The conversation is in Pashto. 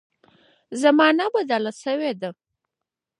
زمانه بدله شوې ده.